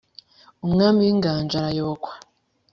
Umwami w’inganji arayobokwa.